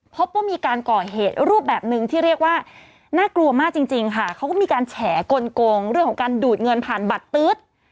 พบว่ามีการก่อเหตุรูปแบบหนึ่งที่เรียกว่าน่ากลัวมากจริงค่ะเขาก็มีการแฉกลงเรื่องของการดูดเงินผ่านบัตรตื๊ด